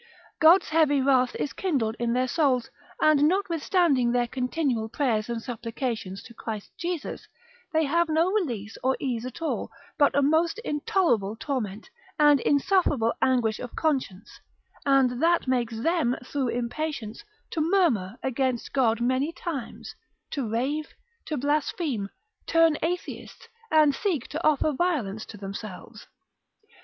God's heavy wrath is kindled in their souls, and notwithstanding their continual prayers and supplications to Christ Jesus, they have no release or ease at all, but a most intolerable torment, and insufferable anguish of conscience, and that makes them, through impatience, to murmur against God many times, to rave, to blaspheme, turn atheists, and seek to offer violence to themselves.